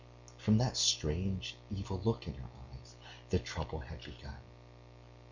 From that strange, evil look in her eyes the trouble had begun.